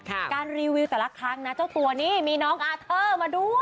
การรีวิวแต่ละครั้งนะเจ้าตัวนี้มีน้องอาเทอร์มาด้วย